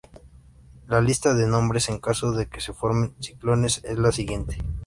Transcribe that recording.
La lista de nombres en caso de que se formen ciclones es la siguiente.